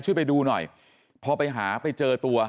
ไปดูหน่อยพอไปหาไปเจอตัว